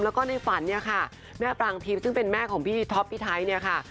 แล้วก็ในฝันเนี่ยค่ะแม่ปรางทิพย์ซึ่งเป็นแม่ของพี่ท็อปพี่ไทยเนี่ยค่ะ